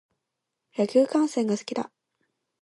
野球観戦が好きだ。